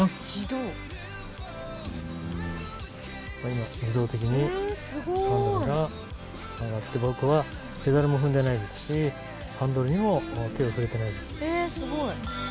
今、自動的にハンドルが曲がって僕はペダルも踏んでないですしハンドルにも手を触れてないです。